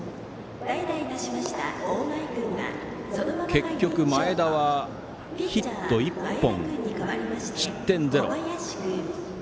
結局、前田はヒット１本失点０。